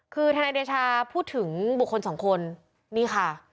คือทนายเดชาพูดถึงบุคคลสองคนนี่ค่ะ